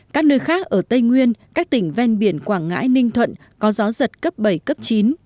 các nơi khác ở tây nguyên các tỉnh ven biển quảng ngãi ninh thuận có gió giật cấp bảy cấp chín